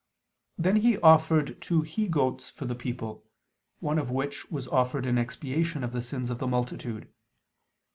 Then he offered two he goats for the people: one of which was offered in expiation of the sins of the multitude.